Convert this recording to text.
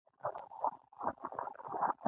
ملک په عمر پاخه ځوان ته مخ ور واړاوه، ورو يې وويل: